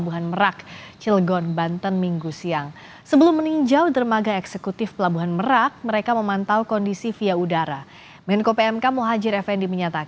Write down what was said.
hai mas televisyons ibu nya